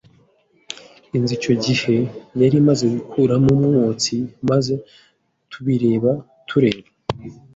Inzu icyo gihe yari imaze gukuramo umwotsi, maze tubireba tureba